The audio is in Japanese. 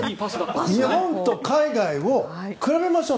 日本と海外を比べましょう。